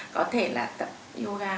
có thể là tập yoga